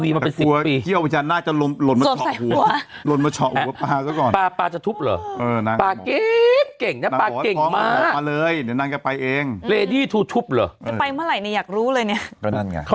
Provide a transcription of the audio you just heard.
มีภาพมุมสูงอยู่ใช่มั้ยค่ะ